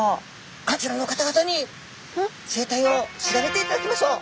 あちらの方々に生態を調べていただきましょう。